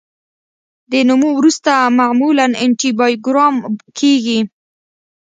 د نمو وروسته معمولا انټي بایوګرام کیږي.